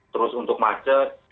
terus untuk macet